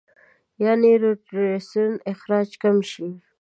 يا نيوروټرانسميټر اخراج کم شي -